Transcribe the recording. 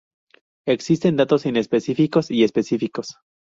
Existen datos inespecíficos y específicos.